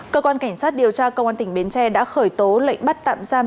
cơ quan cảnh sát điều tra công an tỉnh bến tre đã khởi tố lệnh bắt tạm giam